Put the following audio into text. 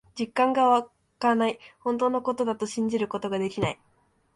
実感がわかない。本当のことだと信じることができない。